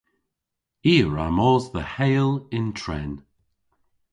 I a wra mos dhe Heyl yn tren.